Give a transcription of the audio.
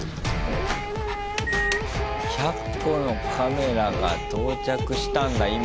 １００個のカメラが到着したんだ今。